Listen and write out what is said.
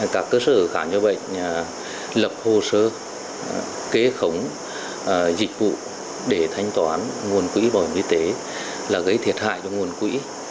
các cơ sở khám chữa bệnh lập hồ sơ kế khống dịch vụ để thanh toán nguồn quỹ bảo hiểm y tế là gây thiệt hại cho nguồn quỹ